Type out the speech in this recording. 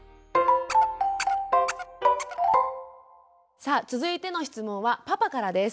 さあ続いての質問はパパからです。